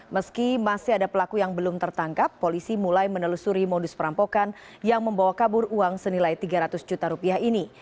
meski masih ada pelaku yang belum tertangkap polisi mulai menelusuri modus perampokan yang membawa kabur uang senilai tiga ratus juta rupiah ini